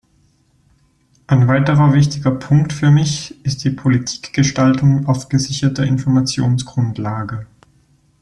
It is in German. Ein weiterer wichtiger Punkt für mich ist die Politikgestaltung auf gesicherter Informationsgrundlage.